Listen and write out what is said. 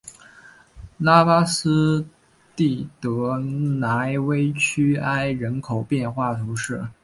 拉巴斯蒂德莱韦屈埃人口变化图示